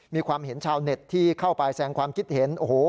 มีความเห็นชาวเน็ตที่เข้าไปแสงความคิดเห็นโอ้โห